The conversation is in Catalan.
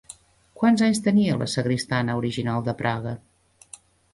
Quants anys tenia la Sagristana original de Praga?